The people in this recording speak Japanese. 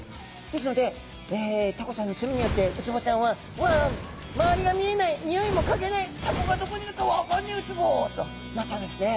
ですのでタコちゃんの墨によってウツボちゃんは「うわ！周りが見えないにおいもかげないタコがどこにいるか分かんねえウツボ」となっちゃうんですね。